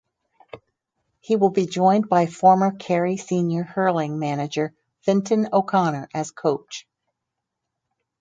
He will be joined by former Kerry senior hurling manager Fintan O’Connor as coach.